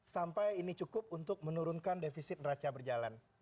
sampai ini cukup untuk menurunkan defisit neraca berjalan